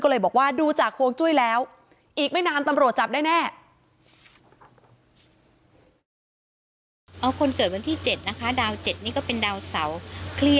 ก็เลยบอกว่าดูจากฮวงจุ้ยแล้วอีกไม่นานตำรวจจับได้แน่